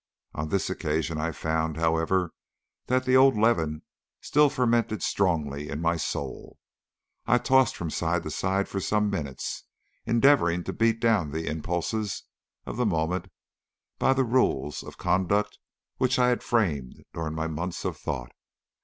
On this occasion I found, however, that the old leaven still fermented strongly in my soul. I tossed from side to side for some minutes endeavouring to beat down the impulses of the moment by the rules of conduct which I had framed during months of thought.